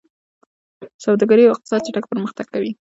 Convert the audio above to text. سوداګري او اقتصاد چټک پرمختګ کوي.